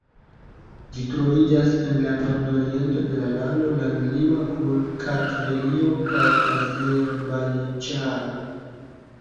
Ĝi troviĝas en la nordoriento de la lando, landlima kun Kartvelio kaj Azerbajĝano.